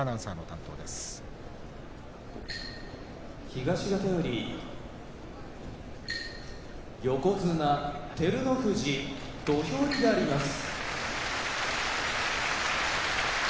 東方より横綱照ノ富士土俵入りであります。